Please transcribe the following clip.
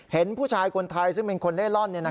เห็นผู้ชายคนไทยซึ่งเป็นคนเล่ร่อน